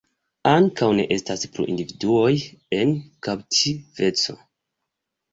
Ankaŭ ne estas plu individuoj en kaptiveco.